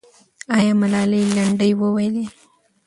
آیا ملالۍ لنډۍ وویلې؟